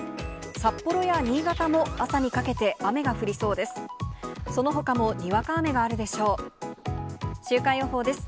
札幌や新潟も朝にかけて雨が降りそうです。